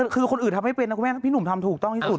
คือคนอื่นทำให้เป็นนะคุณแม่พี่หนุ่มทำถูกต้องที่สุด